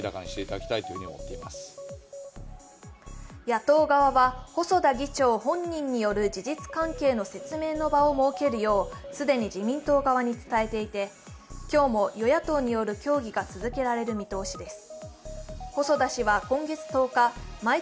野党側は細田議長本人による事実関係の説明の場を設けるよう既に自民党側に伝えていて、今日も与野党による協議が続けられる見通しです。